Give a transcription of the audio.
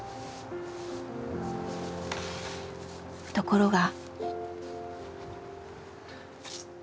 ところが。